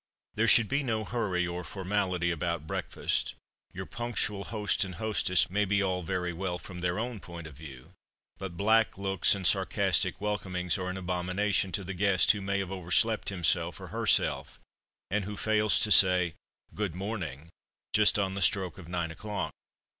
There should be no hurry or formality about breakfast. Your punctual host and hostess may be all very well from their own point of view; but black looks and sarcastic welcomings are an abomination to the guest who may have overslept himself or herself, and who fails to say, "Good morning" just on the stroke of nine o'clock.